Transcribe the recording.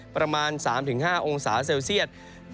ประมาณ๓๕องศาเซลเซียต